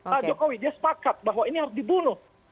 pak jokowi dia sepakat bahwa ini harus dibunuh